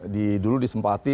di dulu di sempati